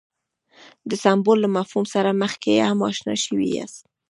د سمبول له مفهوم سره مخکې هم اشنا شوي یاست.